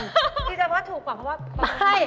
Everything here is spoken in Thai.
ดีใจเพราะถูกกว่าเพราะว่า